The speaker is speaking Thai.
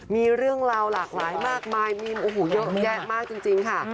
มีเรื่องราวหลากหลายมากมายมีโอ้โหเยอะแยะมากจริงค่ะ